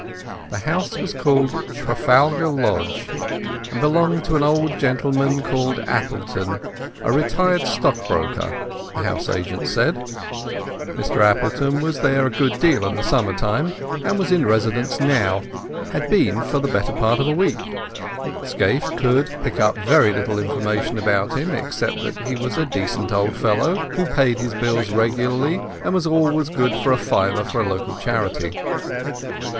The house was called Trafalgar Lodge, and belonged to an old gentleman called Appleton—a retired stockbroker, the house agent said. Mr Appleton was there a good deal in the summer time, and was in residence now—had been for the better part of a week. Scaife could pick up very little information about him, except that he was a decent old fellow, who paid his bills regularly, and was always good for a fiver for a local charity.